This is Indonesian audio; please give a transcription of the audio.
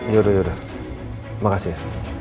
yaudah yaudah makasih ya